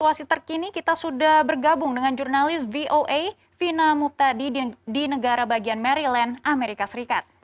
situasi terkini kita sudah bergabung dengan jurnalis voa vina muptadi di negara bagian maryland amerika serikat